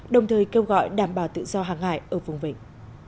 đồng thời kêu gọi đảm bảo tự do hàng hải ở vùng vịnh